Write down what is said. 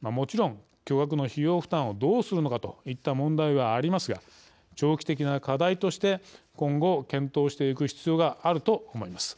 もちろん巨額な費用負担をどうするのかといった問題はありますが長期的な課題として今後、検討していく必要があると思います。